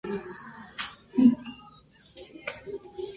Fecha que fue inaugurado el Monumento a la Bandera.